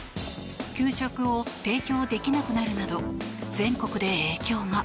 給食を提供できなくなるなど全国で影響が。